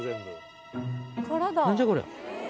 何じゃこりゃ。